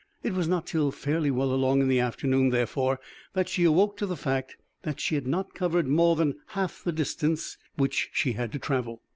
It was not till fairly well along in the afternoon, therefore, that she awoke to the fact that she had not covered more than half the distance which she had to travel.